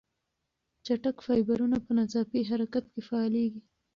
چټک فایبرونه په ناڅاپي حرکت کې فعالېږي.